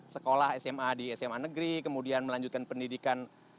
sekolah sma di sma negeri kemudian melanjutkan pendidikan